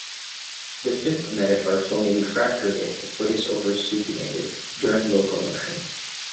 The fifth metatarsal may be fractured if the foot is oversupinated during locomotion.